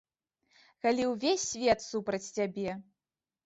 Калі ўвесь свет супраць цябе.